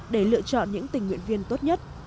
để lựa chọn những tình nguyện viên tốt nhất